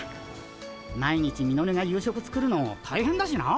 毎日ミノルが夕食作るの大変だしな。